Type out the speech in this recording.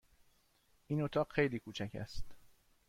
این اتاق خیلی کوچک است.